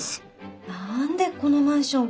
何でこのマンション